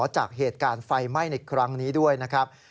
จากเหตุการณ์ไฟไหม้ในครั้งนี้ด้วยนะครับ